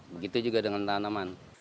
begitu juga dengan tanaman